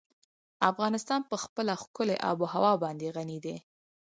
افغانستان په خپله ښکلې آب وهوا باندې غني دی.